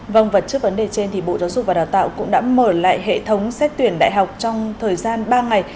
vâng và trước vấn đề trên thì bộ giáo dục và đào tạo cũng đã mở lại hệ thống xét tuyển đại học trong thời gian ba ngày